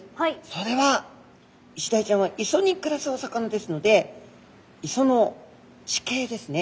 それはイシダイちゃんは磯に暮らすお魚ですので磯の地形ですね